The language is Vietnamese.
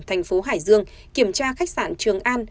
thành phố hải dương kiểm tra khách sạn trường an